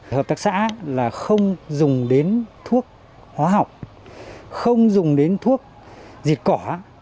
hợp tác xã là không dùng đến thuốc hóa học không dùng đến thuốc diệt cỏ